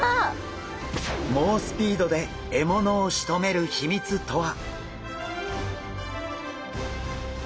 猛スピードで獲物をしとめる秘密とは？